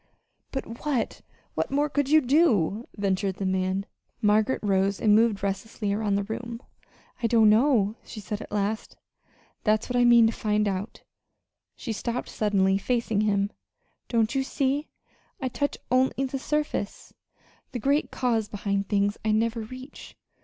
"But what what more could you do?" ventured the man. Margaret rose, and moved restlessly around the room. "I don't know," she said at last. "That's what I mean to find out." She stopped suddenly, facing him. "Don't you see? I touch only the surface. The great cause behind things I never reach.